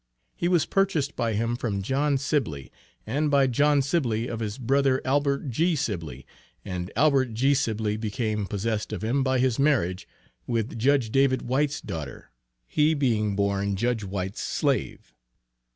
He was purchased by him from John Sibly, and by John Sibly of his brother Albert G. Sibly, and Albert G. Sibly became possessed of him by his marriage with Judge David White's daughter, he being born Judge White's slave.